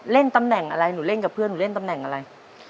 ตำแหน่งอะไรหนูเล่นกับเพื่อนหนูเล่นตำแหน่งอะไร